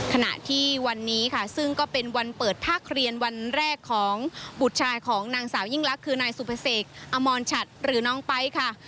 ขณะที่วันนี้ค่ะซึ่งก็เป็นวันเปิดภาคเรียนวันแรกของบุตรชายของนางสาวยิ่งลักษณ์คือนายสุภเสกอมรชัดหรือน้องไป๊ค่ะ